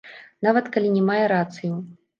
Нават калі не мае рацыю.